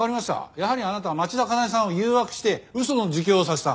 やはりあなたは町田加奈江さんを誘惑して嘘の自供をさせた。